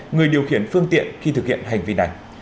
người điều khiển phương tiện khi thực hiện hành vi này